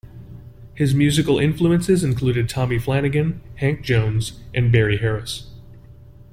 His musical influences included Tommy Flanagan, Hank Jones, and Barry Harris.